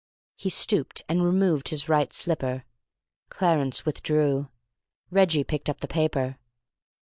He stooped and removed his right slipper. Clarence withdrew. Reggie picked up the paper.